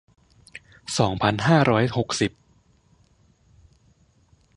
สองพันห้าร้อยหกสิบ